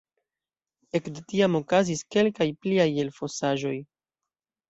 Ekde tiam okazis kelkaj pliaj elfosaĵoj.